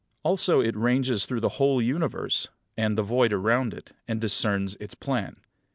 Also it ranges through the whole universe, and the void around it, and discerns its plan.